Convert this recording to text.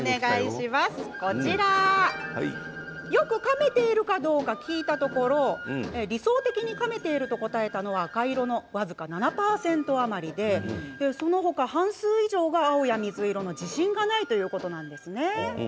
よくかめているかどうか聞いたところ理想的にかめていると答えたのは赤色の僅か７％余りでその半数以上が青や水色の自信がないということです。